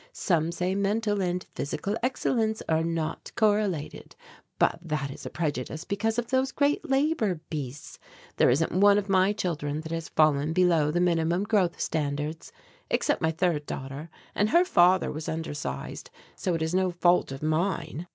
Some say mental and physical excellence are not correlated but that is a prejudice because of those great labour beasts. There isn't one of my children that has fallen below the minimum growth standards, except my third daughter, and her father was undersized, so it is no fault of mine."